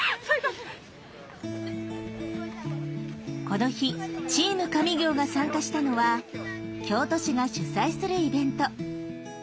この日「チーム上京！」が参加したのは京都市が主催するイベント。